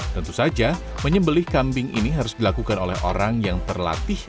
tentu saja menyembeli kambing ini harus dilakukan oleh orang yang terlatih